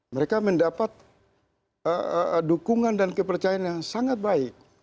mereka mendapat dukungan dan kepercayaan yang sangat baik